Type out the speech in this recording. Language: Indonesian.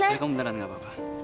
tapi kamu beneran gak apa apa